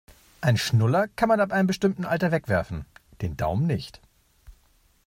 Einen Schnuller kann man ab einem bestimmten Alter wegwerfen, den Daumen nicht.